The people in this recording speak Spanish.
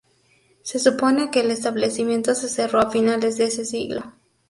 Se supone que el establecimiento se cerró a finales de ese siglo.